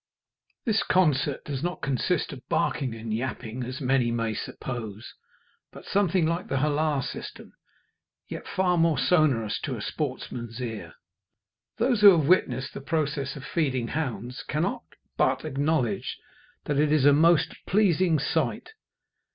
This concert does not consist of barking and yapping as many may suppose, but something like the "Hullah system," yet far more sonorous to a sportsman's ear. Those who have witnessed the process of feeding hounds cannot but acknowledge that it is a most pleasing sight.